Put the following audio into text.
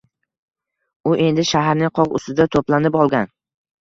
U endi shaharning qoq ustida to’planib olgan.